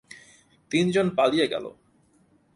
তিনজন পালিয়ে গেল।